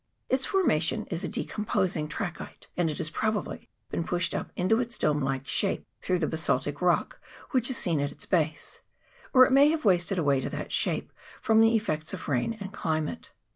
Its formation is a decompos ing trachite, and it has probably been pushed up into its dome like shape through the basaltic rock which is seen at its base ; or it may have wasted away to that shape from the effects of rain and cli mate.